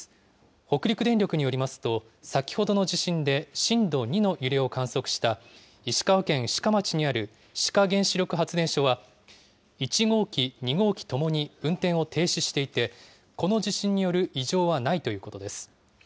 北陸電力によりますと、先ほどの地震で震度２の揺れを観測した、石川県志賀町にある志賀原子力発電所は、１号機、２号機ともに運転を停止していて、この地震による異常はないということです。